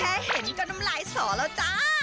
เห็นก็น้ำลายสอแล้วจ้า